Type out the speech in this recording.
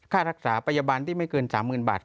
ค่ารักษาพยาบาลที่ไม่เกิน๓๐๐๐บาท